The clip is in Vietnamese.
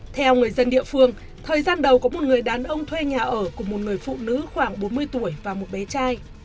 theo người dân địa phương thời gian đầu có một người đàn ông thuê nhà ở của một người phụ nữ khoảng bốn mươi tuổi và một bé trai